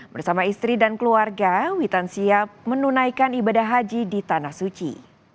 bersama istri dan keluarga witan siap menunaikan ibadah haji di tanah suci